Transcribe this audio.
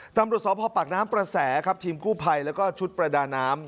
ตรสพปากน้ำประแสครับทีมกู้ไพรและชุดประดาน้ำ